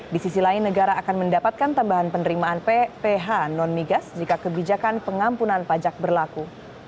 di sisi lain negara akan mendapatkan tambahan penerimaan pph non migas jika kebijakan pengampunan pajak berlaku